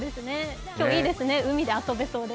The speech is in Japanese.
今日いいですね、海で遊べそうで。